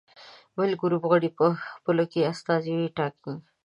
بل ګروپ غړي په خپلو کې استازي ټاکي.